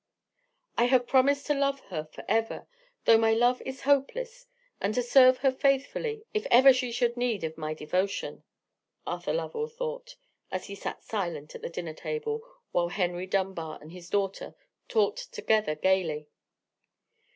"I have promised to love her for ever, though my love is hopeless, and to serve her faithfully if ever she should need of my devotion," Arthur Lovell thought, as he sat silent at the dinner table, while Henry Dunbar and his daughter talked together gaily.